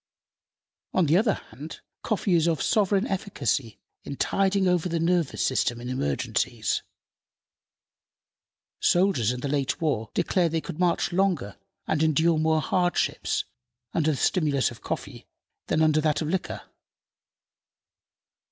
On the other hand, coffee is of sovereign efficacy in tiding over the nervous system in emergencies. Soldiers in the late war declared they could march longer and endure more hardships under the stimulus of coffee than under that of liquor.